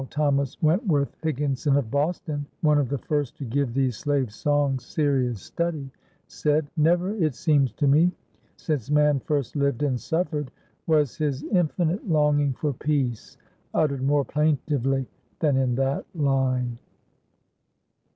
Thomas Wentworth Higginson of Boston, one of the first to give these slave songs serious study, said: "Never it seems to me, since man first lived and suffered, was his infinite longing for peace uttered more plaintively than in that line."